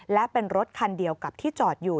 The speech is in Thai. และเป็นรถคันเดียวกับที่จอดอยู่